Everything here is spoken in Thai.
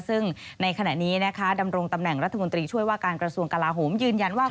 ซึ่งในขณะนี้นะคะดำรงตำแหน่งรัฐมนตรีช่วยว่าการกระทรวงกลาโหมยืนยันว่า